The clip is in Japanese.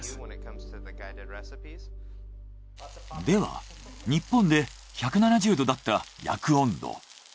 では日本で１７０℃だった焼く温度。